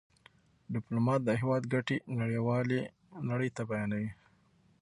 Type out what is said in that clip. ډيپلومات د هېواد ګټې نړېوالي نړۍ ته بیانوي.